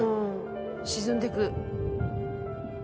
沈んでく。